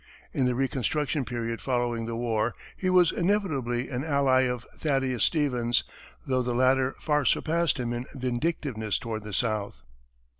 In the reconstruction period following the war, he was inevitably an ally of Thaddeus Stevens, though the latter far surpassed him in vindictiveness toward the South.